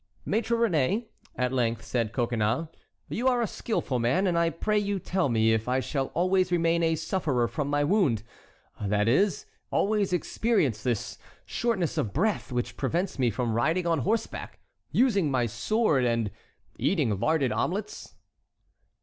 "Maître Réné," at length said Coconnas, "you are a skilful man, and I pray you tell me if I shall always remain a sufferer from my wound—that is, always experience this shortness of breath, which prevents me from riding on horseback, using my sword, and eating larded omelettes?"